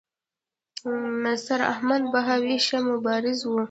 نثار احمد بهاوي ښه مبارز و.